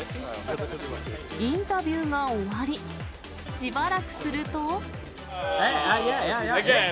インタビューが終わり、しばらくすると。